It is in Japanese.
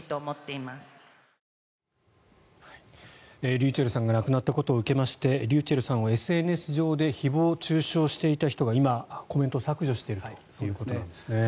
ｒｙｕｃｈｅｌｌさんが亡くなったことを受けましてｒｙｕｃｈｅｌｌさんはＳＮＳ上で誹謗・中傷していた人が今、コメント削除しているということですね。